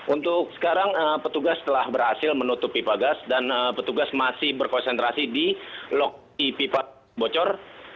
untuk sekarang petugas telah berhasil menutup pipa gas dan petugas masih berkonsentrasi di lokasi pipa bocor